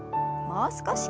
もう少し。